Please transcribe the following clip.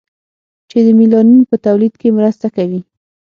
چې د میلانین په تولید کې مرسته کوي.